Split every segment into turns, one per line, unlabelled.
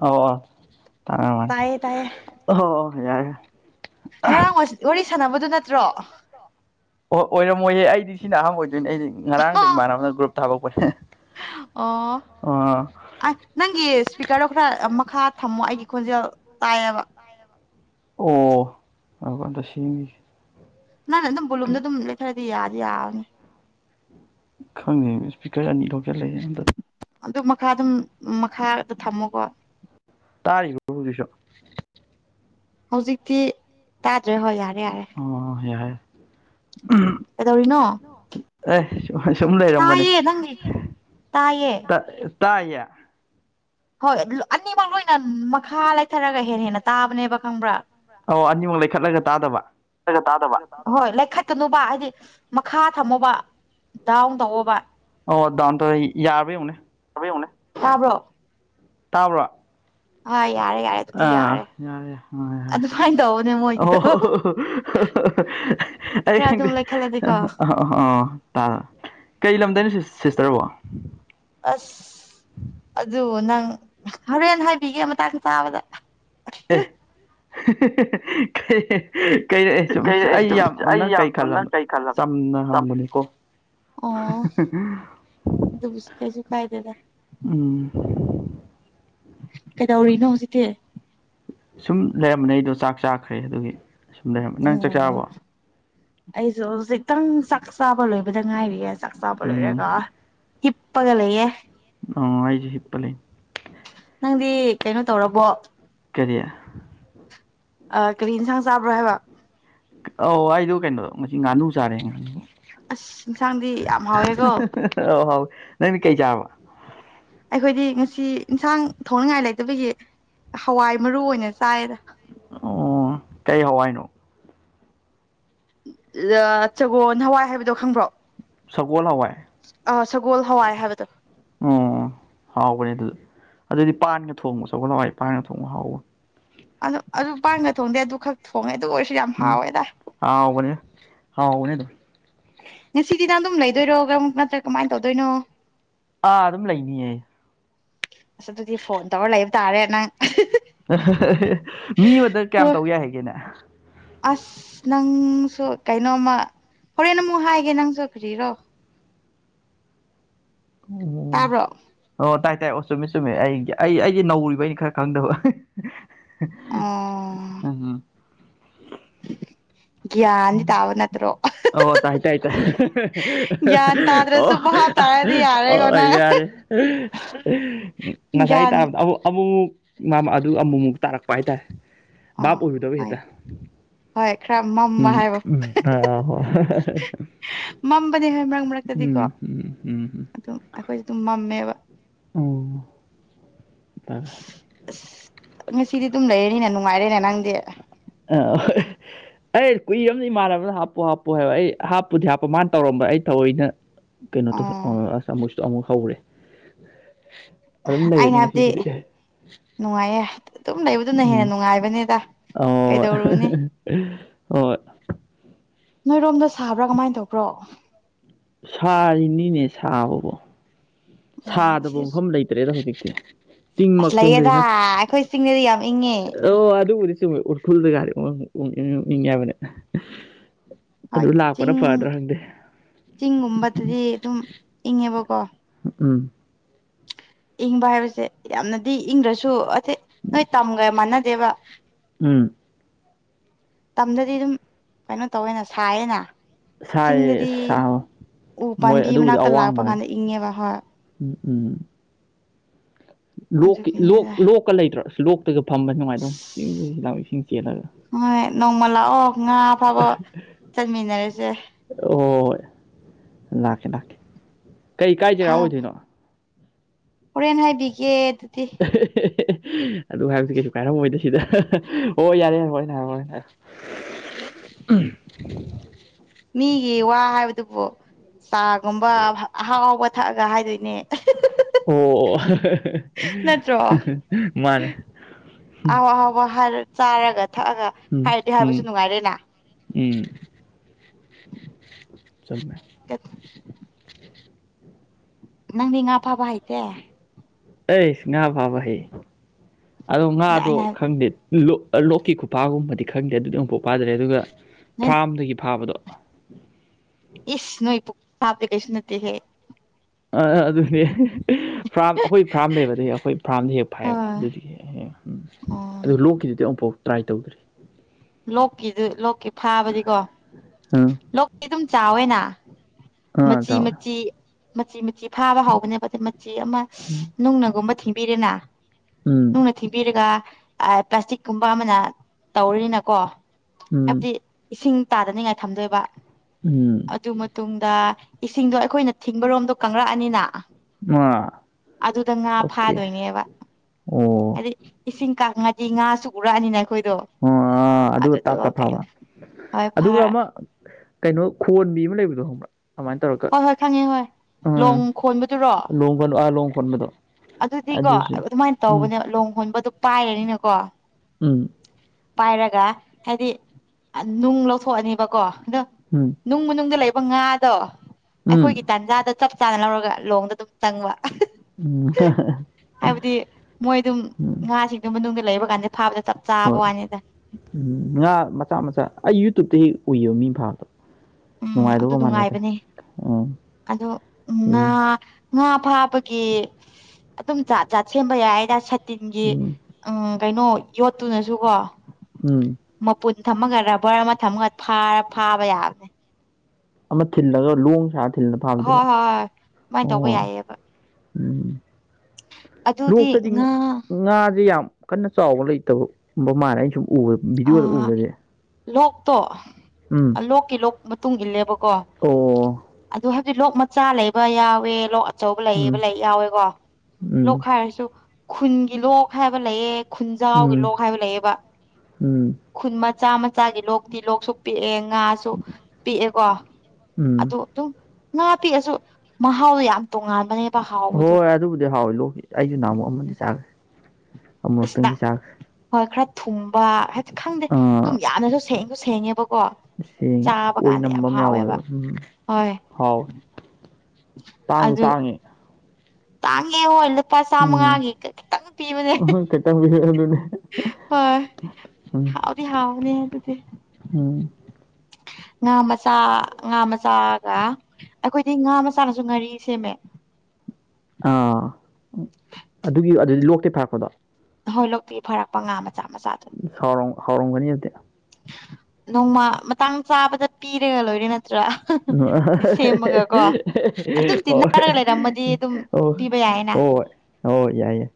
ꯍ ꯑ ꯇꯥꯅꯤ
ꯇꯥꯏꯌꯦ ꯇꯥꯏꯌꯦ
ꯑꯣ ꯌꯥꯏ
ꯉꯔꯥꯡ ꯋꯥꯔꯤ ꯁꯥꯟꯅꯕꯗꯨ ꯅꯠꯇ꯭ꯔꯣ
ꯑꯣꯣꯏ ꯑꯣꯏꯔꯝꯃꯣꯏꯍꯦ ꯑꯩꯗꯤ ꯁꯤꯅ ꯑꯍꯥꯟꯕ ꯑꯣꯏꯗꯣꯏꯅꯦ ꯑꯩꯗꯤ ꯉꯔꯥꯡꯗ ꯏꯃꯥꯟꯅꯕꯅ ꯒ꯭ꯔꯨꯞ ꯊꯥꯕꯛꯄꯅꯦ
ꯑꯣ
ꯑꯥ
ꯑ ꯅꯪꯄꯤꯤ ꯀꯔꯣ ꯈꯔ ꯃꯈꯥ ꯊꯝꯃꯣ ꯑꯩꯒꯤ ꯈꯣꯟꯖꯦꯜ ꯇꯥꯏꯌꯦꯕ
ꯑꯣ ꯑ ꯀ ꯇ ꯁꯤꯦꯡ
ꯅꯪ ꯅ ꯑꯗꯨꯝ ꯕꯨꯂꯨꯝꯗ ꯑꯗꯨꯝ ꯂꯩꯈ꯭ꯔꯔꯗꯤ ꯌꯥꯗꯤ ꯌꯥꯅꯤ
ꯈꯪꯉ ꯏꯁꯄꯤꯀꯔꯥꯅꯤ ꯊꯣꯔ ꯂꯩ
ꯑꯗꯨ ꯃꯈꯥ ꯑꯗꯨꯝ ꯃꯈꯥꯗ ꯊꯝꯃꯣꯀꯣ
ꯇꯥꯏꯈ ꯄꯨꯖꯤꯁ
ꯍꯧꯖꯤꯛꯇꯤ ꯇꯥꯗ꯭ꯔꯦ ꯍꯣꯏ ꯌꯥꯔꯦ ꯌꯥꯔꯦ
ꯑꯣ ꯍꯦ
ꯀꯩꯗꯧꯔꯤꯅꯣ
ꯑꯦ ꯁꯨꯝ ꯂꯩꯔꯝꯕꯅꯦ
ꯇꯥꯏꯌꯦ ꯅꯪꯒꯤ ꯇꯥꯏꯌꯦ
ꯇꯌꯦ
ꯍꯣꯏ ꯑꯅꯤꯃꯛ ꯂꯣꯏꯅ ꯃꯈꯥ ꯂꯩꯊꯔꯒ ꯍꯦꯟꯅ ꯍꯦꯟꯅ ꯇꯥꯕꯅꯦꯕ ꯈꯪꯕ꯭ꯔꯥ
ꯑꯣ ꯑꯅꯤꯃꯨꯛ ꯂꯩꯈꯠꯂꯒ ꯇꯥꯗꯕ
ꯍꯣꯏ
ꯇꯥꯗꯕ
ꯂꯩꯈꯠꯇꯅꯨꯕ ꯍꯥꯏꯗꯤ ꯃꯈꯥ ꯊꯝꯃꯣꯕ ꯗꯥꯎꯟ ꯇꯧꯑꯣꯕ
ꯑꯣꯗꯥꯟꯇ ꯌꯥꯔꯕꯎꯅꯦ
ꯇꯥꯕ꯭ꯔꯣ
ꯇꯥꯕ꯭ꯔꯣ
ꯍ
ꯑ ꯌꯥꯔꯦ ꯍ ꯍ
ꯑꯗꯨꯃꯥꯏꯅ ꯇꯧꯕꯅꯦ
ꯑꯣ
ꯃꯣꯏꯒꯤꯗꯣ
ꯑꯩ
ꯈꯔ
ꯈꯪꯗꯦ
ꯑꯗꯨꯝ ꯂꯩꯈꯠꯂꯗꯤꯀꯣ
ꯑ ꯑ ꯇꯥ ꯀꯩ ꯂꯝꯗꯅꯣ ꯁꯤꯁꯇꯔꯔꯕꯣ
ꯑꯁ ꯑꯗꯨꯕꯨ ꯅꯪ ꯍꯣꯔꯦꯟ ꯍꯥꯏꯕꯤꯒꯦ ꯃꯇꯥꯡ ꯆꯥꯕꯗ
ꯑꯦ ꯀꯩꯔꯛꯑꯦꯨꯝ
ꯀꯩ
ꯑꯩ ꯌꯥꯝ
ꯑꯩ
ꯅꯪ
ꯌꯥꯝ
ꯀꯩ ꯈꯜꯂꯝ
ꯅꯪ ꯀꯩ ꯈꯜꯂꯕ
ꯆꯝꯅ ꯍꯪꯕꯅꯤꯀꯣ
ꯑꯣ ꯑꯗꯨꯕꯨꯁꯨ ꯀꯩꯁꯨ ꯀꯥꯏꯗꯦꯗ
ꯎꯝ
ꯀꯩꯗꯧꯔꯤꯅꯣ ꯍꯧꯖꯤꯛꯇꯤ
ꯁꯨꯝ ꯂꯩꯔꯝꯕꯅꯦ ꯑꯩꯗꯣ ꯆꯥꯛ ꯆꯥꯈ꯭ꯔꯦ ꯑꯗꯨꯒꯤ ꯁꯨꯝ ꯂꯩꯔꯝꯕ ꯅꯪ ꯆꯥꯛ ꯆꯥꯔꯕꯣ
ꯑꯣ ꯑꯩꯁꯨ ꯍꯧꯖꯤꯛꯇꯪ ꯆꯥꯛ ꯆꯥꯕ ꯂꯣꯏꯕꯗ ꯉꯥꯏꯔꯤꯌꯦꯦ ꯆꯥꯛ ꯆꯥꯕ
ꯎꯝ
ꯂꯣꯏꯔꯒ ꯏꯄꯒꯂꯌꯦꯦ
ꯑ ꯑꯩꯁꯨ ꯍꯄ ꯂꯩ
ꯅꯪꯗꯤ ꯀꯩꯅꯣ ꯇꯧꯔꯕꯣ
ꯀꯔꯤꯌꯥ
ꯑ ꯀꯔꯤ ꯏꯟꯁꯥꯡ ꯆꯥꯕ꯭ꯔꯣ ꯍꯥꯏꯕ
ꯑꯧ ꯑꯩꯗꯣ ꯀꯩꯅꯣꯗꯣ ꯉ ꯉꯥꯅꯨ ꯆꯥꯔꯦ ꯉꯥꯅꯨ
ꯑꯁ ꯏꯟꯁꯥꯡꯗꯤ ꯌꯥꯝ ꯍꯥꯎꯋꯦꯀꯣ
ꯍ ꯍꯥꯎ ꯅꯣꯏꯃꯤꯠ ꯀꯩ ꯆꯥꯕ
ꯑꯩꯈꯣꯏꯗꯤ ꯉꯁꯤ ꯏꯟꯁꯥꯡ ꯊꯣꯡꯅꯤꯡꯉꯥꯏ ꯂꯩꯇꯕꯒꯤ ꯍꯋꯥꯏ ꯃꯔꯨ ꯑꯣꯏꯅ ꯆꯥꯏꯗ
ꯎꯝ ꯀꯩ ꯍꯋꯥꯏꯅꯣ
ꯆꯒꯣꯜ ꯍꯋꯥꯏ ꯍꯥꯏꯕꯗꯣ ꯈꯪꯕ꯭ꯔꯣ
ꯁꯒꯣꯜ ꯍꯋꯥꯏ
ꯑ ꯁꯒꯣꯜ ꯍꯋꯥꯏ ꯍꯥꯏꯕꯗ
ꯑꯣꯝ ꯍꯥꯎ ꯀꯅꯤꯗꯁꯨ ꯑꯗꯨꯗꯤ ꯄꯥꯟꯒ ꯊꯣꯡꯕꯁꯨꯈꯒꯠꯂꯏ ꯄꯥꯟꯒ ꯊꯣꯡꯕ ꯍꯥꯎꯕ
ꯑꯗꯨ ꯑꯗꯨ ꯄꯥꯡꯒ ꯊꯣꯡꯗꯦ ꯑꯗꯨ ꯈꯛ ꯊꯣꯡꯉꯦ ꯑꯗꯨ ꯑꯣꯏꯔꯁꯨ ꯌꯥꯝ
ꯎꯝ
ꯍꯥꯎꯋꯦꯗ
ꯑꯥꯎꯕꯅꯦ ꯑꯥꯎꯕꯅꯦ ꯑꯗꯨ
ꯉꯁꯤꯗꯤ ꯅꯪ ꯑꯗꯨꯝ ꯂꯩꯗꯣꯏꯔꯣꯒ ꯑꯃꯨꯛ ꯅꯠꯇ꯭ꯔ ꯀꯃꯥꯏꯅ ꯇꯧꯗꯣꯏꯅꯣ
ꯑꯥ ꯑꯗꯨꯝ ꯂꯩꯅꯤꯌꯦ
ꯑꯁ ꯑꯗꯨꯗꯤ ꯐꯣꯟ ꯇꯧꯔ ꯂꯩꯕ ꯇꯥꯔꯦ ꯅꯪ
ꯃꯤ ꯑꯃꯗ ꯀꯌꯥꯝ
ꯍꯣꯏ
ꯇꯧ ꯌꯥꯏ ꯍꯥꯏꯒꯦꯅꯦ
ꯑꯁ ꯅꯪꯁꯨ ꯀꯩꯅꯣꯝꯃ ꯍꯣꯔꯦꯟꯦꯟ ꯑꯃꯨꯛ ꯍꯥꯏꯒꯦ ꯅꯪꯁꯨ ꯀ꯭ꯔꯤꯔꯣ ꯇꯥꯕ꯭ꯔꯣ
ꯑꯣ ꯇꯥꯏ ꯀꯥꯏ ꯑꯣ ꯆꯨꯝꯃꯦ ꯆꯨꯝꯃꯦ ꯑꯩ ꯑꯩ ꯑꯩꯗꯤ ꯅꯧꯔꯤꯕ ꯑꯩꯅ ꯈꯔ ꯈꯪꯗꯕ
ꯑꯣ
ꯑꯝꯝ
ꯌꯥꯅꯤ ꯇꯥꯎ ꯅꯠꯇꯣ
ꯑꯣ ꯇꯥꯏ ꯇꯥꯏ ꯇ
ꯒ꯭ꯌꯥꯟ ꯇꯥꯗ꯭ꯔꯁꯨ
ꯑꯣ
ꯚꯥꯞ ꯇꯥꯔꯗꯤ ꯌꯥꯔꯦꯀꯣ
ꯑꯣ
ꯅꯪ
ꯌꯥꯔꯦ ꯉꯁꯥꯏ
ꯒ꯭ꯌꯥꯟ
ꯇꯥꯕꯗ ꯑꯕꯨ ꯃꯥ ꯑꯗꯨ ꯑꯃꯨꯛꯃꯨꯛ ꯇꯥꯔꯛꯄ ꯍꯥꯏꯇꯥꯔꯦ ꯞ
ꯑꯣ
ꯄꯕꯤꯗꯕꯤ
ꯍꯣꯏ
ꯍꯦꯠꯇ
ꯍꯣꯏ ꯈꯔ ꯃꯝꯕ
ꯎꯝ
ꯍꯥꯏꯕ
ꯎꯝ ꯑ
ꯃꯝꯕꯅꯦ ꯍꯣꯏ ꯃꯔꯛ ꯃꯔꯛꯇꯗꯤꯀꯣ
ꯎꯝꯝ ꯎꯝ ꯎꯝ
ꯑꯗꯨꯝ ꯑꯩꯈꯣꯏꯁꯨ ꯑꯗꯨꯝ ꯃꯝꯃꯦ
ꯑꯣ ꯇ
ꯑꯁ ꯉꯁꯤꯗꯤ ꯑꯗꯨꯝ ꯂꯩꯔꯅꯤꯅ ꯅꯨꯡꯉꯥꯏꯔꯦꯅꯦ ꯅꯪꯗꯤ
ꯑ ꯑꯩ ꯀꯨꯏ ꯑꯃꯅ ꯏꯃꯥꯟꯅꯕꯅ ꯍꯥꯞꯄꯨ ꯍꯥꯞꯄꯨ ꯍꯥꯏꯕ ꯑꯩ ꯍꯥꯞꯄꯨꯗꯤ ꯍꯥꯞꯄꯨ ꯃꯥꯅ ꯇꯧꯔꯝꯕ ꯑꯩ ꯊꯑꯣꯏꯅ ꯀꯩꯅ
ꯑꯣ
ꯇꯣ ꯑ ꯆꯨꯆ ꯑꯃꯃꯨꯛ ꯍꯥꯎꯔꯦ ꯑꯗꯨꯝ
ꯑꯩꯅ
ꯂꯩꯔꯅꯤ
ꯍꯥꯏꯕꯗꯤ
ꯉꯁꯤꯕꯨꯗꯤ
ꯅꯨꯡꯉꯥꯏꯌꯦ ꯑꯗꯨꯝ ꯂꯩꯕꯗꯨꯅ ꯍꯦꯟꯅ ꯅꯨꯡꯉꯥꯏꯕꯅꯦꯗ
ꯍ
ꯀꯩꯗꯧꯔꯨꯅꯤ
ꯍꯣꯏ
ꯅꯣꯏꯔꯣꯝꯗ ꯁꯥꯕ꯭ꯔꯥ ꯀꯃꯥꯏꯅ ꯇꯧꯕ꯭ꯔꯣ
ꯁꯥꯅꯤꯅꯦ ꯁꯥ ꯍꯕ
ꯎꯝ
ꯁꯥꯗꯕ
ꯑꯁꯤ
ꯃꯐꯝ ꯂꯩꯇ꯭ꯔꯦꯗ ꯍꯧꯖꯤꯛꯇꯤ ꯇꯤꯤꯡꯃ
ꯑꯁ
ꯀ
ꯂꯩꯌꯦꯗ ꯑꯩꯈꯣꯏ ꯆꯤꯡꯗꯗꯤ ꯌꯥꯝ ꯏꯪꯉꯦ
ꯑꯣ ꯑꯗꯨ ꯎꯔꯤꯁꯤ ꯎꯈꯨꯜꯗ ꯥꯔꯤ ꯑꯣ ꯏꯪꯉꯦ ꯍꯥꯏꯕꯅꯦ
ꯍꯣꯏ
ꯑꯗꯨ ꯂꯥꯛꯄꯅ
ꯆꯤꯡ
ꯐꯗ꯭ꯔꯥ ꯈꯪꯗꯦ
ꯆꯤꯡꯒꯨꯝꯕꯗꯗꯤ ꯑꯗꯨꯝ ꯏꯪꯉꯦꯕꯀꯣ
ꯎꯝ
ꯏꯪꯕ ꯍꯥꯏꯕꯁꯦ ꯌꯥꯝꯅꯗꯤ ꯏꯪꯗ꯭ꯔꯁꯨ ꯑ ꯅꯣꯏ ꯇꯝꯒ ꯃꯥꯟꯅꯗꯦꯕ
ꯎꯝ
ꯇꯝꯗꯗꯤ ꯑꯗꯨꯝ ꯀꯩꯅꯣ ꯇꯧꯋꯦꯅ ꯁꯥꯏꯌꯦꯅ
ꯁꯥꯏ
ꯆꯤꯡꯗꯗꯤ
ꯁꯍꯣ
ꯎ
ꯃꯣꯏ
ꯄꯥꯝꯕꯤ
ꯑꯗꯨꯕꯨꯗꯤ
ꯃꯅꯥꯛꯇ ꯂꯥꯛꯄ
ꯑꯋꯥꯡꯕꯅꯤꯅ
ꯀꯥꯟꯗ ꯏꯪꯉꯦꯕ ꯍꯣꯏ
ꯎꯝ ꯎꯝ ꯎꯝ
ꯑꯗꯨꯒꯤꯅꯦꯗ
ꯂꯂ ꯏꯇꯔ ꯐ ꯐꯝꯕꯅꯃꯥꯏ ꯇꯧꯅ ꯍꯤ ꯂꯥꯎ ꯏꯁꯤꯡ ꯆꯦꯜꯂꯒ
ꯍꯣꯏ ꯅꯣꯡꯃ ꯂꯥꯛꯑꯣ ꯉꯥ ꯐꯥꯕ ꯆꯟꯃꯤꯟꯅꯔꯁꯦ
ꯑꯣ ꯂꯥꯛꯀꯦ ꯂꯥꯛꯀꯦ ꯀꯩ ꯀꯥꯏ ꯖꯒꯥ ꯑꯣꯏꯗꯣꯏꯅꯣ
ꯍꯔꯦꯟ ꯍꯥꯏ ꯕꯤꯀꯦꯠ
ꯑꯗꯨ ꯍꯥꯏꯕꯗꯤ ꯀꯩꯁꯨ ꯀꯥꯏꯔꯝꯃꯣꯏꯗ ꯁꯤꯗ ꯑꯣ ꯌꯥꯔꯦ ꯍꯣꯔꯦꯟ ꯍꯥꯏꯔꯣ ꯍꯣꯔꯦꯟ ꯍꯥꯏꯔꯣ ꯑ
ꯃꯤꯒꯤ ꯋꯥ ꯍꯥꯏꯕꯗꯨꯕꯨ ꯆꯥꯒꯨꯝꯕ ꯑꯍꯥꯎ ꯑꯍꯥꯎꯕ ꯊꯛꯑꯒ ꯍꯥꯏꯗꯣꯏꯅꯦ
ꯑꯣ
ꯅꯠꯇ꯭ꯔꯣ
ꯃꯥꯅꯦ
ꯑꯍꯥꯎ ꯑꯍꯥꯎꯕ ꯍꯥꯏꯔ ꯆꯥꯔꯒ ꯊꯛꯑꯒ
ꯎꯝ
ꯍꯥꯏꯔꯗꯤ
ꯎꯝ
ꯍꯥꯏꯕꯁꯨ ꯅꯨꯡꯉꯥꯏꯔꯦꯅ
ꯎꯝ ꯆꯨꯝꯃꯦ
ꯅꯪꯗꯤ ꯉꯥ ꯐꯥꯕ ꯍꯩꯇꯦ
ꯑꯩꯁ ꯉꯥ ꯐꯥꯕ ꯍꯩ ꯑꯗꯣ
ꯑꯗ
ꯉꯥꯗꯣ
ꯑꯩꯅ
ꯈꯪꯗꯦ ꯂꯣꯛ ꯂꯣꯛꯀꯤ ꯈꯨꯄꯥꯒꯨꯝꯕꯗꯤ ꯈꯪꯗꯦ ꯑꯗꯨꯗꯤ ꯑꯃꯨꯛꯐꯥꯎ ꯐꯥꯗ꯭ꯔꯤ ꯑꯗꯨꯒ
ꯅꯪ
ꯐꯥꯝꯗꯒꯤ ꯐꯥꯕꯗꯣ
ꯏꯁ ꯅꯣꯏ ꯈꯨꯐꯥꯗꯨꯗꯤ ꯀꯩꯁꯨ ꯅꯠꯇꯦꯅꯦ
ꯑ ꯑꯗꯨꯅꯦ ꯐꯥꯔꯝ ꯑꯩꯈꯣꯏ ꯐꯥꯔꯝ ꯂꯩꯕꯗ ꯍꯦꯛ ꯑꯩꯈꯣꯏ ꯐꯥꯔꯝꯗ ꯍꯦꯛ ꯐꯥꯏꯌꯦꯕ
ꯍꯣꯏ
ꯑꯗꯨꯗꯤ ꯍ ꯎꯝ
ꯑꯣ
ꯑꯗꯨ ꯂꯣꯛꯀꯤ ꯑꯗꯨꯗꯤ ꯑꯃꯨꯛꯐꯥꯎ ꯇ꯭ꯔꯥꯏ ꯇꯧꯗ꯭ꯔꯤ
ꯂꯣꯛꯀꯤꯗꯨ ꯂꯣꯛꯀꯤ ꯐꯥꯕꯗꯤꯀꯣ
ꯎꯝ
ꯂꯣꯛꯀꯤ ꯑꯗꯨꯝ ꯆꯥꯎꯋꯦꯅ
ꯑꯥ
ꯃꯆꯤ
ꯆꯥꯎꯋꯦ
ꯃꯆꯤ ꯃꯆꯤ ꯃꯆꯤ ꯐꯥꯕ ꯍꯥꯎꯕꯅꯦꯕ ꯃꯆꯤ ꯑꯃ
ꯎꯝ
ꯅꯨꯡꯅꯒꯨꯝꯕ ꯊꯤꯡꯕꯤꯔꯦꯅ ꯅꯨꯡꯅ
ꯎꯝ
ꯊꯤꯟꯕꯤꯔꯒ ꯄ꯭ꯂꯥꯁꯇꯤꯛꯀꯨꯝꯕ ꯑꯃꯅ ꯇꯧꯔꯅꯤꯅꯀꯣ ꯍꯥꯏꯕꯗꯤ ꯏꯁꯤꯡ ꯇꯥꯗꯅꯤꯉꯥꯏ ꯊꯝꯗꯣꯏꯕ
ꯎꯝ
ꯑꯗꯨ ꯃꯇꯨꯡꯗ ꯏꯁꯤꯡꯗꯣ ꯑꯩꯈꯣꯏꯅ ꯊꯤꯡꯕꯔꯣꯝꯗꯣ ꯀꯪꯔꯛꯑꯅꯤꯅ
ꯎꯝ ꯑꯥ
ꯑꯗꯨꯗ ꯉꯥ
ꯑꯣꯀꯦ
ꯐꯥꯗꯣꯏꯅꯦꯕ
ꯑꯣ
ꯍꯥꯏꯗꯤ ꯏꯁꯤꯡ ꯀꯪꯉꯗꯤ ꯉꯥꯁꯨ ꯎꯔꯛꯑꯅꯤꯅ ꯑꯩꯈꯣꯏꯗꯣ
ꯑ ꯑꯗꯨꯒ
ꯑꯗꯨꯗꯣ
ꯇꯥꯞ ꯇꯥꯞ ꯐꯥꯕ
ꯀꯩꯅꯣ ꯍꯣꯏ
ꯑꯗꯨꯒ
ꯐꯥꯔ
ꯑꯃ ꯀꯩꯅꯣ ꯈꯣꯟꯕꯤ ꯑꯃ ꯂꯩꯕꯗꯣ ꯈꯪꯕꯔꯥ ꯑꯗꯨꯃꯥꯏꯅ ꯇꯧꯔꯒ
ꯍꯣꯏ ꯍꯣꯏ ꯈꯪꯉꯦ ꯍꯣꯏ
ꯎꯝ
ꯂꯣꯡ ꯈꯣꯟꯕꯗꯨꯔꯣ
ꯂꯣꯡ ꯈꯣꯟꯂ ꯑ ꯂꯣꯡ ꯈꯣꯟꯕꯗꯣ
ꯑꯗꯨꯗꯤꯀꯣ
ꯑꯗꯨꯁꯨ
ꯑꯗꯨꯃꯥꯏꯅ
ꯎꯝ
ꯇꯧꯕꯅꯦ ꯂꯣꯡ ꯈꯣꯟꯕ ꯑꯗꯣ ꯄꯥꯏꯔꯅꯤꯅꯀꯣ
ꯎꯝ
ꯄꯥꯏꯔꯒ ꯍꯥꯏꯗꯤ ꯅꯨꯡ ꯂꯧꯊꯣꯛꯑꯅꯦꯕꯀꯣ ꯑꯗꯣ
ꯎꯝ
ꯅꯨꯡ ꯃꯅꯨꯡꯗ ꯂꯩꯕ ꯑꯗꯨꯒ ꯉꯥꯗꯣ
ꯎꯝ
ꯑꯩꯈꯣꯏꯒꯤ ꯇꯥꯟꯖꯥꯗ ꯆꯞ ꯆꯥꯅ ꯂꯧꯔꯒ ꯂꯣꯡꯗ ꯑꯗꯨꯝ ꯆꯪꯕ
ꯎꯝ
ꯍꯥꯏꯕꯗꯤ ꯃꯣꯏ ꯑꯗꯨꯝ
ꯎꯝ
ꯉꯥꯁꯤꯡꯗꯨ ꯃꯅꯨꯡꯗ ꯂꯩꯕ ꯀꯥꯟꯗ ꯐꯥꯕꯗ ꯆꯞ ꯆꯥꯕ
ꯍꯣꯏ
ꯋꯥꯅꯤꯗ
ꯎꯝ ꯉꯥ ꯃꯆꯥ ꯃꯆꯥ ꯑꯩ ꯌꯨꯇꯨꯕꯇ ꯍꯥꯛ ꯎꯏꯌꯦ ꯃꯤꯅ ꯐꯥꯕꯗꯣ
ꯎꯝ ꯑꯗꯨ
ꯅꯨꯡꯉꯥꯏꯗꯧꯕ ꯃꯥꯟꯕ ꯍꯥꯏꯇꯥꯔꯦ
ꯅꯨꯡꯉꯥꯏꯕꯅꯦ
ꯑꯥ
ꯑꯗꯣ ꯎꯝ ꯉꯥ
ꯌꯦ
ꯉꯥ ꯐꯥꯕꯒꯤ ꯑꯗꯨꯝ ꯖꯥꯠ ꯖꯥꯠ ꯁꯦꯝꯕ ꯌꯥꯏꯗ ꯁꯥꯇꯤꯟꯒꯤ
ꯎꯝ
ꯎꯝ ꯀꯩꯅꯣ ꯌꯣꯠꯇꯨꯅꯁꯨ ꯀꯣ
ꯎꯝ
ꯊꯝꯃꯒ ꯔꯕꯔ ꯑꯃ ꯊꯝꯃꯒ ꯐꯥꯔ ꯐꯥꯕ ꯌꯥꯕꯅꯦ
ꯑꯃ ꯊꯤꯜꯂꯒ ꯂꯣꯡ ꯁꯥꯔ ꯊꯤꯜꯂ ꯐꯥꯕꯤꯗꯨꯔꯣ
ꯍꯣꯏ ꯍꯣꯏ ꯍꯣꯏ ꯑꯗꯨꯃꯥꯏꯅ ꯇꯧꯕ
ꯑꯣ
ꯌꯥꯏꯑꯕ
ꯎꯝ
ꯑꯗꯨꯗꯤ
ꯂꯣꯛꯇꯗꯤ
ꯉꯥ
ꯉꯥꯁꯦ ꯌꯥꯝ ꯀꯟꯅ ꯆꯥꯎꯕ ꯂꯩꯇꯕꯒꯨꯝꯕ ꯃꯥꯜꯂꯦ ꯑꯩꯅ ꯁꯨꯝ ꯎꯕ ꯚꯤꯗꯤꯑꯣꯗ ꯎꯕꯗꯗꯤ
ꯂꯣꯛꯇꯣ
ꯎꯝ
ꯂꯣꯛꯀꯤ ꯂꯣꯛ ꯃꯇꯨꯡ ꯏꯜꯂꯦꯕꯀꯣ
ꯑꯣ
ꯑꯗꯨ ꯍꯥꯏ ꯑꯗꯨꯗꯤ ꯂꯣꯛ ꯃꯆꯥ ꯂꯩꯕ ꯌꯥꯎꯋꯦ ꯂꯣꯛ ꯑꯆꯧꯕ
ꯎꯝ
ꯂꯩꯕ ꯂꯩ ꯌꯥꯎꯋꯦꯀꯣ ꯂꯣꯛ
ꯎꯝ
ꯍꯥꯏꯔꯁꯨ ꯈꯨꯟꯒꯤ ꯂꯣꯛ ꯍꯥꯏꯕ ꯂꯩꯌꯦ ꯈꯨꯟꯖꯥꯎꯒꯤ
ꯎꯝ
ꯂꯣꯛ ꯍꯥꯏꯕ ꯂꯩꯌꯦꯕ
ꯎꯝ
ꯈꯨꯟ ꯃꯆꯥ ꯃꯆꯥꯒꯤ ꯂꯣꯛꯇꯤ ꯂꯣꯛꯁꯨ ꯄꯤꯛꯑꯦ ꯉꯥꯁꯨ ꯄꯤꯛꯑꯦꯀꯣ
ꯎꯝ
ꯑꯗꯨ ꯑꯗꯨꯝ ꯉꯥ ꯄꯤꯛꯑꯁꯨ ꯃꯍꯥꯎꯗꯣ ꯌꯥꯝ ꯇꯣꯉꯥꯟꯕꯅꯦ
ꯍꯣꯏ ꯑꯗꯨꯕꯨꯗꯤ ꯍꯥꯎꯋꯤ ꯂꯣꯛ ꯑꯩꯁꯨ ꯅꯍꯥꯃꯨꯛ ꯑꯃꯗꯤ
ꯎꯝ
ꯆꯥꯈ꯭ꯔꯦ ꯑꯃꯔꯛꯇꯪꯒꯤ ꯆꯥꯛ
ꯊꯨꯡꯕ ꯍꯥꯏ ꯈꯪꯗꯦ ꯑꯗꯨꯝ ꯌꯥꯅꯁꯨ ꯁꯦꯡꯉꯁꯨ ꯁꯦꯡꯉꯦꯕ
ꯁꯦꯡ ꯑꯣꯏꯅꯝꯕ ꯑꯃ
ꯍꯥꯎꯋꯦꯕ
ꯌꯥꯎꯋꯦꯕ ꯎꯝ
ꯍꯣꯏ
ꯍꯥꯎꯋꯦ ꯇꯥꯡꯉ ꯇꯥꯡꯉꯤ
ꯇꯥꯡꯉꯦꯉ ꯂꯨꯄꯥ ꯆꯥꯝꯃꯉꯥꯒꯤ
ꯎꯝ
ꯈꯤꯇꯪ ꯄꯤꯕꯅꯦ
ꯈꯤꯇꯪ ꯄꯤꯔꯛꯑꯦ ꯑꯗꯨꯅꯦ
ꯍꯣꯏ
ꯎꯝ
ꯍꯥꯎꯗꯤ ꯍꯥꯎꯅꯤ ꯍꯥꯏ ꯑꯗꯨꯗꯤ
ꯎꯝ
ꯉꯥ ꯃꯆꯥ ꯉꯥ ꯃꯆꯥꯥꯒ ꯑꯩꯈꯣꯏꯗꯤ ꯉꯥ ꯃꯆꯥꯅꯁꯨ ꯉꯥꯔꯤ ꯁꯦꯝꯃꯦ
ꯑꯥ ꯑꯗꯨꯒꯤ ꯑꯗꯨꯗꯤ ꯂꯣꯛꯇꯦ ꯐꯔꯛꯄꯗꯣ
ꯑꯍꯣꯏ ꯂꯣꯛꯄꯤ ꯐꯔꯛꯄ ꯉꯥꯝ
ꯁꯥꯎꯔꯣꯡ ꯍꯥꯎꯔꯣꯡꯒꯅꯤ
ꯅꯣꯡꯃ ꯃꯇꯥꯡ ꯆꯥꯕꯗ ꯄꯤꯔꯒ ꯂꯣꯏꯔꯅ ꯑꯗꯨꯝ ꯇꯤꯟꯅꯔꯒ ꯂꯩꯔꯝꯃꯗꯤ ꯑꯗꯨꯝ
ꯍ
ꯄꯤꯕ ꯌꯥꯏꯌꯦꯅ
ꯑꯣ ꯍ ꯍꯣꯏ ꯌꯥꯏ ꯌꯥꯏ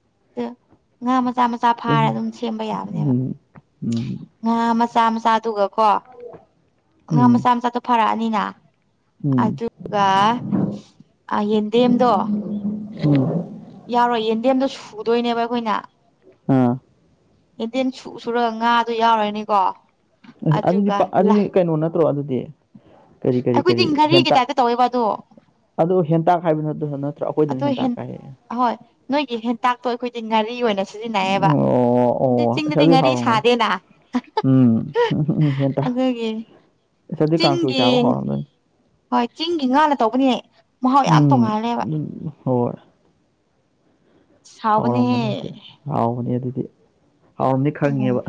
ꯉꯥ ꯃꯆꯥ ꯃꯆꯥ ꯐꯥꯔ
ꯎꯝ
ꯑꯗꯨꯝ ꯁꯦꯝꯕ ꯌꯥꯕꯅꯦꯕ
ꯎꯝ
ꯉꯥ ꯃꯆꯥ ꯃꯆꯥꯗꯨ ꯀꯣ ꯑꯥꯡ
ꯎꯝ
ꯃꯆꯥ ꯃꯆꯥꯗꯨꯣ ꯐꯔꯛꯑꯅꯤꯅ
ꯎꯝ
ꯑꯗꯨꯒ ꯌꯦꯟꯗꯦꯝꯗꯣ
ꯎꯝ
ꯌꯥꯎꯔꯣꯏ ꯌꯦꯟꯗꯦꯝꯗꯣ ꯁꯨꯗꯣꯏꯅꯦꯕ ꯑꯩꯈꯣꯏꯅ
ꯑ
ꯍꯦꯟꯗꯦꯜ ꯁꯨꯔꯒ ꯉꯥꯗꯨ ꯌꯥꯎꯔꯅꯤꯀꯣ
ꯑꯗꯨꯗꯤ
ꯑꯗꯨꯒ ꯂ
ꯑꯗꯨꯗꯤ ꯀꯩꯅꯣ ꯅꯠꯇ꯭ꯔꯣ ꯑꯗꯨꯗꯤ ꯀꯔꯤ ꯀꯔꯤ ꯀꯔꯤ
ꯑꯩꯈꯣꯏꯗꯤ ꯘꯔꯤꯒꯤ
ꯍꯦꯟꯇꯥꯛ
ꯇꯥꯏꯞꯇ ꯇꯧꯋꯦꯕ ꯑꯗꯣ
ꯑꯗ ꯍꯦꯟꯇꯥꯛ ꯍꯥꯏꯕꯅꯠꯇ ꯅ
ꯑꯗꯨ ꯑꯍꯣꯏ ꯅꯣꯏꯒꯤ ꯍꯦꯟꯇꯥꯛꯇꯣ ꯑꯩꯈꯣꯏꯗꯤ ꯉꯥꯔꯤ ꯑꯣꯏꯅ ꯁꯤꯖꯤꯟꯅꯩꯌꯦꯕ
ꯑꯣ ꯑꯣ
ꯑꯗꯨ
ꯑꯁ
ꯆꯤꯡꯗꯗꯤ
ꯑꯗꯨꯗꯤ
ꯉꯥꯔꯤ
ꯍꯥꯎꯔꯝꯒꯅꯤ
ꯁꯥꯗꯦꯅ
ꯎꯝ ꯎꯝ ꯎꯝ ꯍꯦꯟꯇꯥꯛ
ꯑꯗꯨꯒꯤ
ꯑꯁ ꯑꯗꯨꯗꯤ ꯀꯥꯡꯁꯣꯏ ꯆꯥꯕ
ꯇꯤꯒꯡ
ꯍꯥꯎꯔꯝꯗꯣꯏꯅꯤ
ꯍꯣꯏ ꯆꯤꯡꯒꯤ ꯉꯥꯅ ꯇꯧꯕꯅꯤꯅꯦ ꯃꯍꯥꯎ ꯌꯥꯝ
ꯎꯝ
ꯇꯣꯡꯉꯥꯜꯂꯦꯕ
ꯎꯝ ꯑꯅ ꯃꯅꯤꯌꯥꯗꯦ
ꯁꯥꯎꯕꯅꯦꯍꯦ
ꯍꯥꯎ ꯃꯅꯤꯌꯥꯗꯦ ꯍꯥꯎꯔꯝꯗꯤ
ꯎꯝ
ꯈꯪꯉꯦꯕ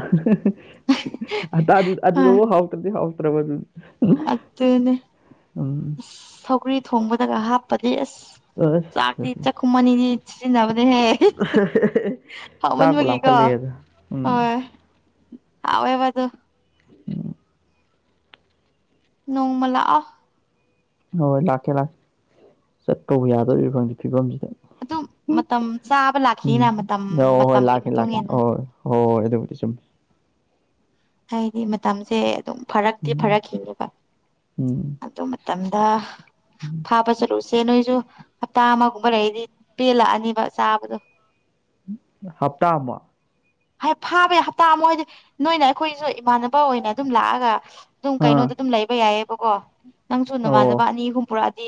ꯍ
ꯑꯗꯨꯗꯕꯨ ꯍꯥꯎꯇꯕꯗꯤ ꯍꯥꯎꯇꯦ ꯄ꯭ꯔꯕ ꯑꯗꯨ
ꯑꯗꯨꯅꯦ ꯑꯁ
ꯎꯝ
ꯁꯧꯒ꯭ꯔꯤ ꯊꯣꯡꯕꯗꯒ ꯍꯥꯞꯄꯗꯤ ꯑꯁ ꯆ
ꯑꯁ
ꯏ ꯆ ꯈꯨꯃꯅꯤꯗꯤ ꯏꯠꯁꯤ ꯅꯕꯗ ꯍꯦ ꯍꯃꯅꯤ
ꯆꯥꯛꯄꯨ
ꯃꯒꯒꯣ
ꯂꯥꯝꯈꯠꯂꯛꯑꯦꯗ
ꯑ
ꯎꯝ
ꯍꯥꯎꯦꯕꯗꯨ
ꯎꯝ
ꯅꯣꯡꯃꯂ ꯑ
ꯍꯣꯏ ꯍꯣꯏ ꯂꯥꯛꯀꯦ ꯂꯥꯛꯀꯦ ꯆꯠꯄꯕꯨ ꯌꯥꯗꯣꯔꯤꯕ ꯈꯪ ꯐꯤꯕꯝꯁꯤ
ꯑꯗꯨꯝ ꯃꯇꯝ ꯆꯥꯕ
ꯎꯝ
ꯂꯥꯛꯈꯤꯅ ꯃꯇꯝ
ꯑꯣ ꯍꯣꯏ
ꯃꯇꯝꯒꯤ
ꯂꯥꯛꯀꯦ
ꯃꯇꯨꯡ
ꯂꯥꯛꯀꯦ ꯍ
ꯏꯟꯅ
ꯍꯣꯏ ꯍꯣꯏ ꯍꯣꯏ ꯑꯗꯨ ꯆꯨꯝ
ꯍꯥꯏꯗꯤ ꯃꯇꯝꯁꯦ ꯑꯗꯨꯝ ꯐꯔꯛꯇꯤ
ꯎꯝ
ꯐꯔꯛꯈꯤꯅꯦꯕ
ꯎꯝ
ꯑꯗꯨ ꯇꯗ ꯐꯥꯕ ꯆꯂꯨꯁ ꯏꯆꯦ ꯅꯣꯏꯁꯨ ꯍꯞꯇꯥ ꯑꯃꯒꯨꯝꯕ ꯂꯩꯗꯤ ꯄꯦꯜꯂꯛꯑꯅꯤꯕ ꯆꯥꯕꯗꯣ
ꯍꯞꯇꯥ ꯑꯃ
ꯐꯥꯕꯩ ꯍꯞꯇꯥ ꯑꯃ ꯍꯥꯏꯗꯤ ꯅꯣꯏꯅ ꯑꯩꯈꯣꯏꯁꯨ ꯏꯃꯥꯟꯅꯕ ꯑꯣꯏꯅ ꯑꯗꯨꯝ ꯂꯥꯛꯑꯒ ꯑꯗꯨꯝ
ꯑꯥ
ꯀꯩꯅꯣꯗ ꯑꯗꯨꯝ ꯂꯩꯕ ꯌꯥꯏꯑꯕꯀꯣ ꯅꯪꯁꯨꯨ
ꯑꯣ
ꯅꯃꯥꯟꯅꯕ ꯑꯅꯤ ꯑꯍꯨꯝ ꯄꯨꯔꯛꯑꯗꯤ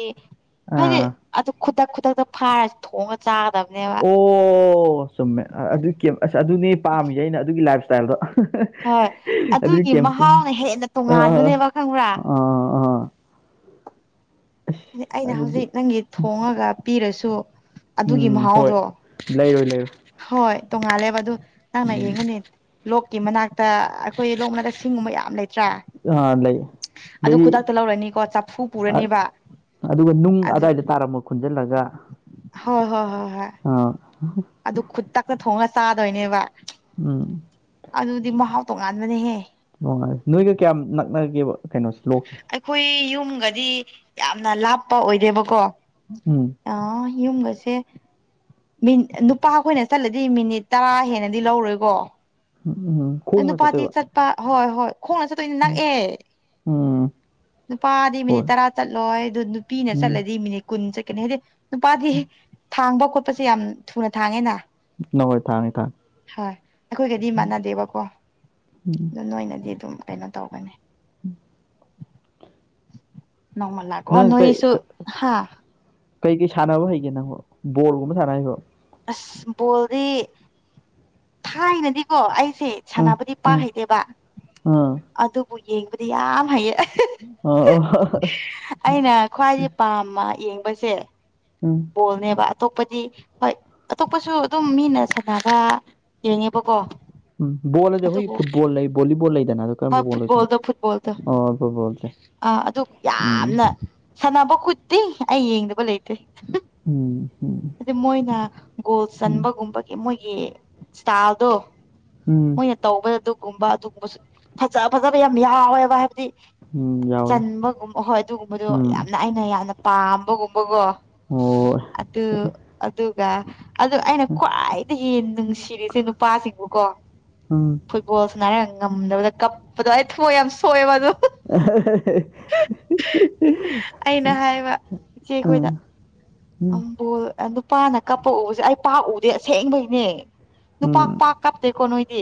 ꯍꯥꯏꯗꯤ
ꯑꯥ
ꯑꯗꯨ ꯈꯨꯗꯛ ꯈꯨꯗꯛꯇ ꯐꯥꯔꯁꯤ ꯊꯣꯡꯉꯒ ꯆꯥꯒꯗꯕꯅꯤ
ꯑꯣ ꯆꯨꯝꯃꯦ ꯑꯗꯨ ꯑꯁ ꯑꯗꯨꯅꯦ ꯄꯥꯝꯃꯤꯁꯦ ꯑꯩꯅ ꯑꯗꯨꯒꯤ ꯂꯥꯏꯞ ꯏꯁꯇꯥꯏꯜꯗꯣ
ꯍꯣꯏ
ꯑꯗꯨ
ꯑꯗꯨꯒꯤ
ꯀꯝꯇ
ꯃꯍꯥꯎꯅ ꯍꯦꯟꯅ
ꯑ
ꯇꯣꯉꯥꯟꯕꯅꯦꯕ ꯈꯪꯕ꯭ꯔꯥ
ꯑꯥ ꯑꯥ
ꯍꯥꯏꯗꯤ
ꯑꯁ
ꯑꯩꯅ
ꯑꯗꯨꯗꯤ
ꯍꯧꯖꯤꯛ ꯅꯪꯒꯤ ꯊꯣꯉꯒ ꯄꯤꯔꯁꯨ ꯑꯗꯨꯒꯤ
ꯎꯝ ꯍꯣꯏ
ꯃꯍꯥꯎꯗꯣ
ꯂꯩꯔꯣꯏ ꯂꯩꯔꯣꯏ
ꯍꯣꯏ ꯇꯣꯡꯉꯥꯜꯂꯦꯕ ꯑꯗꯨ ꯅꯪꯅ
ꯎꯝ
ꯌꯦꯡꯉꯨꯅꯦ ꯂꯣꯛꯀꯤ ꯃꯅꯥꯛꯛꯇ ꯑꯩꯈꯣꯏ ꯂꯣꯛꯅꯗ ꯁꯤꯡꯒꯨꯝꯕ ꯌꯥꯝ ꯂꯩꯇ꯭ꯔꯥ
ꯑꯥ ꯂꯩ
ꯑꯗꯨ
ꯑꯗꯒꯤ
ꯈꯨꯗꯛꯇ ꯂꯧꯔꯅꯤꯀꯣ ꯆꯐꯨ
ꯑ-
ꯄꯨꯔꯅꯤꯕ
ꯑꯗꯨꯒ ꯅꯨꯡ
ꯑꯗꯨ
ꯑꯗꯥꯋꯥꯏꯗ ꯇꯥꯔꯝꯃ ꯈꯨꯟꯖꯤꯜꯂꯒ
ꯍꯣꯏ ꯍꯣꯏ ꯍꯣꯏ ꯍꯣꯏ
ꯑ
ꯑꯗꯨ ꯈꯨꯇꯛꯇ ꯊꯣꯡꯉ ꯆꯥꯗꯣꯏꯅꯦꯕ
ꯎꯝ
ꯑꯗꯨꯗꯤ ꯃꯍꯥꯎ ꯇꯣꯉꯥꯟꯕꯅꯦꯍꯦ
ꯅꯨꯡꯉꯥꯏꯦ ꯅꯣꯏꯒ ꯀꯌꯥꯝ ꯅꯛꯅꯒꯦꯕ ꯀꯩꯅꯣꯁꯦ ꯂꯣꯛꯁꯦ
ꯑꯩꯈꯣꯏ ꯌꯨꯝꯒꯗꯤ ꯌꯥꯝꯅ ꯂꯥꯞꯄ ꯑꯣꯏꯗꯦꯕꯀꯣ
ꯎꯝ
ꯌꯨꯝꯕꯁꯦ ꯃꯤꯅꯤꯠ ꯅꯨꯄꯥ ꯑꯩꯈꯣꯏꯅ ꯆꯠꯂꯗꯤ ꯃꯤꯅꯤꯠ ꯇꯔꯥ ꯍꯦꯟꯅꯗꯤ ꯂꯧꯔꯣꯏꯀꯣ
ꯎꯝ ꯎꯝ ꯈꯣꯡꯅ
ꯅꯨꯄꯥꯗꯤ
ꯆꯠꯇꯣꯏꯕ
ꯆꯠꯄ ꯍꯣꯏ ꯍꯣꯏ ꯈꯣꯡꯅ ꯆꯠꯇꯣꯏꯅꯤ
ꯎꯝ
ꯅꯛꯑꯦ
ꯎꯝ
ꯅꯨꯄꯥꯗꯤ ꯃꯤꯅꯤꯠ
ꯍꯣꯏ
ꯇꯔꯥ ꯆꯠꯂꯣꯏ ꯑꯗꯨ ꯅꯨꯄꯤꯅ
ꯎꯝ
ꯆꯠꯂꯗꯤ ꯃꯤꯅꯤꯠ ꯀꯨꯟ ꯆꯠꯀꯅꯤ ꯍꯥꯏꯗꯤ ꯅꯨꯄꯥꯗꯤ ꯊꯥꯡꯕ ꯈꯣꯠꯄꯁꯦ ꯌꯥꯝ ꯊꯨꯅ ꯊꯥꯡꯉꯦꯅ
ꯅꯍꯣꯏ ꯊꯥꯡꯉꯦ ꯊꯥꯡꯉꯦ
ꯍꯣꯏ ꯑꯩꯈꯣꯏꯒꯗꯤ ꯃꯥꯟꯅꯗꯦꯕꯀꯣ ꯑꯗꯨ ꯅꯣꯏꯅꯗꯤ ꯑꯗꯨꯝ ꯀꯩꯅꯣ ꯇꯧꯒꯅꯤ
ꯎꯝ
ꯅꯣꯡꯃꯜ ꯂꯒꯑꯣ
ꯅꯪ
ꯅꯣꯏꯁꯨ ꯍꯥ
ꯀꯩ ꯀꯩ ꯁꯥꯟꯅꯕ ꯍꯩꯒꯦ ꯅꯪꯕꯣ ꯕꯣꯜꯒꯨꯝꯕ ꯁꯥꯟꯅ ꯍꯩꯕꯣ
ꯑꯁ ꯕꯣꯜꯗꯤ ꯊꯥꯏꯅꯗꯤꯀꯣ ꯑꯩ ꯁꯤꯦ
ꯑꯥ
ꯁꯥꯟꯅꯕꯗꯤ ꯄꯥꯛ ꯍꯩꯇꯦꯕ
ꯑꯥ
ꯑꯗꯨꯕꯨ ꯌꯦꯡꯕꯗꯤ ꯌꯥꯝ ꯍꯩꯌꯦ
ꯑꯥ ꯑꯥ ꯑꯣ
ꯑꯩꯅ ꯈ꯭ꯋꯥꯏꯗꯒꯤ ꯄꯥꯝꯕ ꯌꯦꯡ ꯁꯦ
ꯎꯝ
ꯣꯜꯅꯦꯕ ꯑꯇꯣꯞꯄꯗꯤ ꯍꯣꯏ ꯑꯇꯣꯞꯄꯁꯨ ꯑꯗꯨꯝ ꯃꯤꯅ ꯁꯥꯟꯅꯕ ꯌꯦꯡꯅꯦꯕꯀꯣ
ꯎꯝꯣꯜꯗꯦ ꯍꯣꯏ ꯐꯨꯠꯕꯣꯜ ꯂꯩ ꯣꯂꯤꯕꯣꯜ ꯂꯩꯗꯅ ꯑꯗꯨ
ꯍꯣꯏ
ꯀꯣ ꯂꯩꯗ
ꯐꯨꯠꯕꯣꯜꯗꯣ ꯐꯨꯠꯕꯣꯜꯗꯣ
ꯐꯣꯜꯁ
ꯑꯥ ꯑꯗꯨ ꯌꯥꯝꯅ ꯁꯥꯟꯅꯕ ꯈꯨꯠꯇꯤ ꯑꯩ ꯌꯦꯡꯗꯕ ꯂꯩꯇ꯭ꯦ
ꯎꯝ ꯎꯝ
ꯑꯗꯨ ꯃꯣꯏꯅ ꯒꯣꯜ
ꯎꯝ
ꯆꯟꯕꯒꯨꯝꯕꯒꯤ ꯃꯣꯏꯒꯤ ꯏꯁꯇꯥꯗꯣ
ꯎꯝ
ꯃꯣꯏꯅ ꯇꯧꯕ ꯑꯗꯨ ꯒꯨꯝꯕ ꯑꯗꯨꯒꯨꯝꯕꯁꯨ ꯐꯖ ꯐꯖꯕ ꯌꯥꯝ ꯌꯥꯎꯋꯦꯕ ꯍꯥꯏꯕꯗꯤ
ꯎꯝ ꯌꯥꯎꯋꯦ
ꯆꯟꯕꯒꯨꯝꯕ ꯍꯣꯏ ꯑꯗꯨꯒꯨꯝꯕꯗꯣ
ꯎꯝ
ꯌꯥꯝꯅ ꯑꯩꯅ ꯌꯥꯝꯅ ꯄꯥꯝꯕꯒꯨꯝꯕꯀꯣ
ꯑꯣ
ꯑꯗ ꯑꯗꯨꯒ ꯑꯗꯨꯗ ꯑꯩꯅ ꯈ꯭ꯋꯥꯏꯗꯒꯤ ꯍꯦꯟꯅ ꯅꯨꯡꯁꯤꯔꯤꯁꯦ ꯅꯨꯄꯥꯁꯤꯡꯕꯨꯀꯣ
ꯎꯝ
ꯐꯨꯠꯕꯣꯜꯁꯨꯅꯔꯒ ꯉꯝꯗꯕꯗ ꯀꯞꯄꯗꯣ ꯑꯩ ꯊꯕꯣꯏ ꯌꯥꯝ ꯁꯣꯛꯑꯦꯕ ꯑꯗꯣ ꯑꯩꯅ
ꯑ
ꯏꯆꯦ ꯑꯩꯈꯣꯏꯗ ꯑꯝꯕꯣꯜ ꯅꯨꯄꯥꯅ ꯀꯞꯄ ꯎꯕꯁꯦ ꯑꯩ ꯄꯥꯛꯎꯗꯦ ꯑꯁꯦꯡꯕꯒꯤꯅꯦ ꯅꯨꯄꯥ
ꯎꯝ
ꯄꯥꯛ ꯀꯥꯞꯇꯦꯀꯣ ꯅꯣꯏꯗꯤ